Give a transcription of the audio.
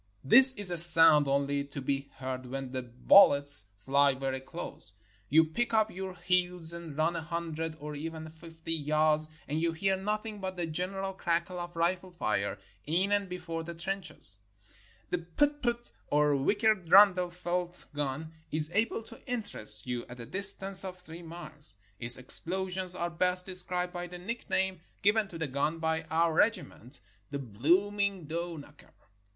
This is a sound only to be heard when the bul lets fly very close. You pick up your heels and run a hundred, or even fifty, yards, and you hear nothing but the general crackle of rifle fire in and before the trenches. The "putt putt," or Vickers Nordenfeldt gun, is able to interest you at a distance of three miles. Its explo 459 SOUTH AFRICA sions are best described by the nickname given to the gun by one regiment: "The blooming door knocker."